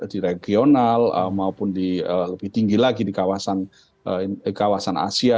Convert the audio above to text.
di regional maupun di lebih tinggi lagi di kawasan asia